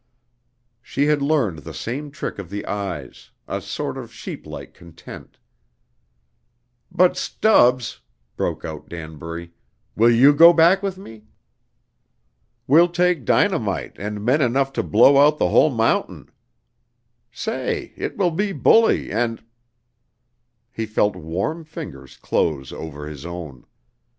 She had learned the same trick of the eyes a sort of sheep like content. "But, Stubbs," broke out Danbury, "will you go back with me? We'll take dynamite and men enough to blow out the whole mountain. Say, it will be bully and " He felt warm fingers close over his own.